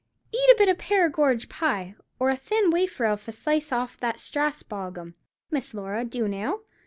Eat a bit of Perrigorge pie, or a thin wafer of a slice off that Strasbog 'am, Miss Laura, do now.